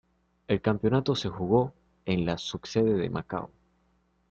El campeonato se jugó en la subsede de Macao.